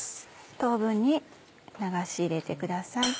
等分に流し入れてください。